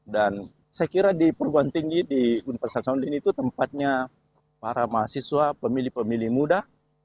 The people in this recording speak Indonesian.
dan saya kira di perguruan tinggi di universitas hasanuddin itu tempatnya para mahasiswa pemilih pemilih muda